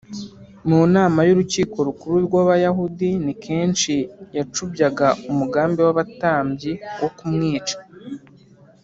. Mu nama y’Urukiko Rukuru rw’Abayahudi, ni kenshi yacubyaga umugambi w’abatambyi wo kumwica